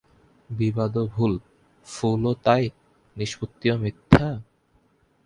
বিবাদও ভুল, ফুলও তাই, নিষ্পত্তিও মিথ্যা?